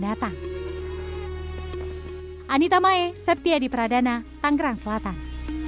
bisa dirasakan tidak hanya sekarang tetapi juga pada masa mendatang